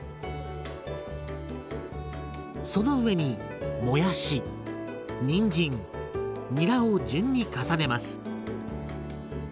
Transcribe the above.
その上にもやしにんじんにらを順に重ねます。